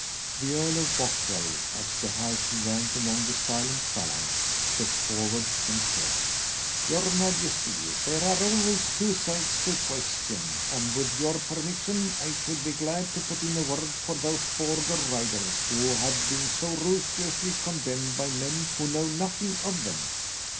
The Earl of Bothwell, as the highest in rank among the silent phalanx, stepped forward and said, "Your majesty, there are always two sides to a question, and, with your permission, I should be glad to put in a word for those Border riders who have been so ruthlessly condemned by men who know nothing of them."